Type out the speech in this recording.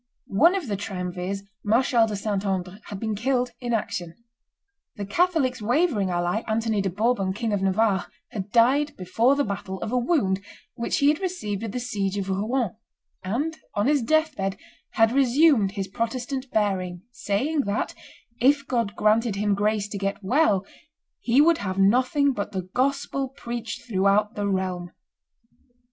One of the triumvirs, Marshal de Saint Andre, had been killed in action. The Catholics' wavering ally, Anthony de Bourbon, King of Navarre, had died before the battle of a wound which he had received at the siege of Rouen; and on his death bed had resumed his Protestant bearing, saying that, if God granted him grace to get well, he would have nothing but the gospel preached throughout the realm.